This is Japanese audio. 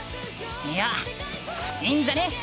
いやいいんじゃね？